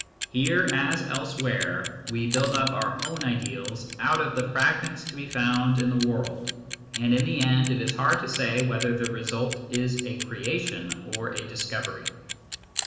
Here, as elsewhere, we build up our own ideals out of the fragments to be found in the world ; and in the end it is hard to say whether the result is a creation or a discovery.